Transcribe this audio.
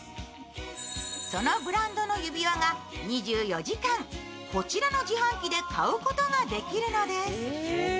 そのブランドの指輪が２４時間、こちらの自販機で買うことができるのです。